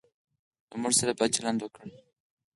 له موږ سره بد چلند وکړ.